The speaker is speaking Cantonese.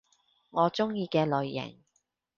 我鍾意嘅類型